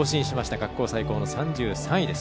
学校最高の３３位です。